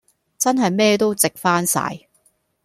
真係咩都值返曬